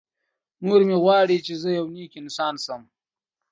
مور مې غواړي چې زه یو نېک انسان شم.